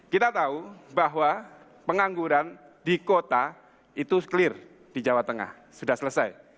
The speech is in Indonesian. kita tahu bahwa pengangguran di kota itu clear di jawa tengah sudah selesai